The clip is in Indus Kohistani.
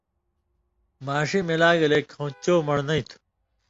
ماݜی ملا گلے کھٶں چو من٘ڑنئی تُھو۔